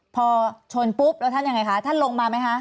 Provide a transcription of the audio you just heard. พอชนปุ๊บแล้วท่านยังไงคะท่านลงมาไหมคะ